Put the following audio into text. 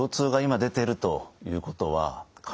はい。